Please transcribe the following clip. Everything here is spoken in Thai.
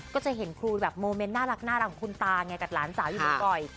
ก็จะเห็นครูแบบโมเมนต์น่ารักของคุณตาไงกับหลานสาวอยู่บ่อย